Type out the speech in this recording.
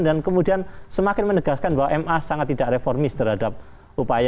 dan kemudian semakin menegaskan bahwa ma sangat tidak reformis terhadap upaya upaya kita